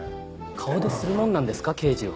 顔でするもんなんですか刑事は。